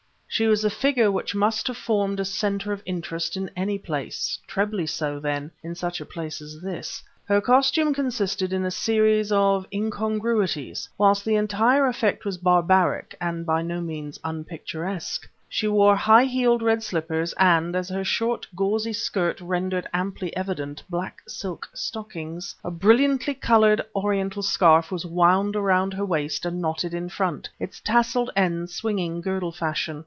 She was a figure which must have formed a center of interest in any place, trebly so, then, in such a place as this. Her costume consisted in a series of incongruities, whilst the entire effect was barbaric and by no means unpicturesque. She wore high heeled red slippers, and, as her short gauzy skirt rendered amply evident, black silk stockings. A brilliantly colored Oriental scarf was wound around her waist and knotted in front, its tasseled ends swinging girdle fashion.